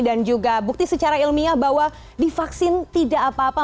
dan juga bukti secara ilmiah bahwa di vaksin tidak apa apa